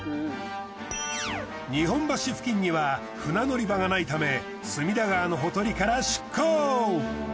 日本橋付近には船乗り場がないため隅田川のほとりから出航。